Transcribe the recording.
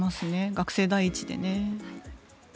学生第一でね。